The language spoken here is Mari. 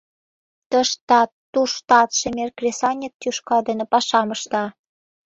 Тыштат-туштат шемер кресаньык тӱшка дене пашам ышта.